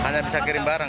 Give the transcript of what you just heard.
hanya bisa kirim barang